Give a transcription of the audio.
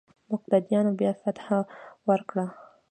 مقتديانو بيا فتحه ورکړه.